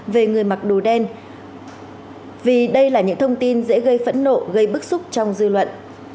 về người mặc đồ đen vì đây là những thông tin dễ gây phẫn nộ gây bức xúc trong dư luận